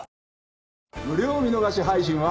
無料見逃し配信は。